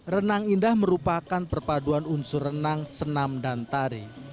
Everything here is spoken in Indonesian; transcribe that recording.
renang indah merupakan perpaduan unsur renang senam dan tari